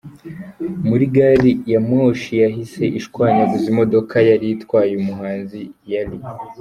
muri gari ya moshi yahise ishwanyaguza imodoka yari atwaye uyu muhanzi yari.